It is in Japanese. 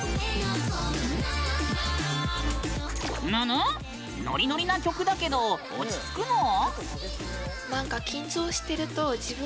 ノリノリな曲だけど落ち着くの？